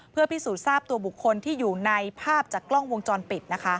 เพื่อพิสูจน์ทราบตัวบุคคลที่อยู่ในภาพจากกล้องวงจรปิดนะคะ